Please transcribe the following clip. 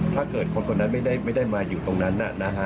ถ้าเกิดคนคนนั้นไม่ได้มาอยู่ตรงนั้น